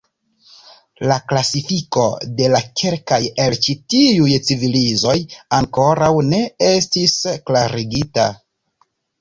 La klasifiko de kelkaj el ĉi tiuj civilizoj ankoraŭ ne estis klarigita.